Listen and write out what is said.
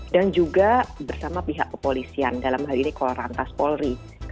dan juga bersama pihak kepolisian dalam hal ini kolorantas polri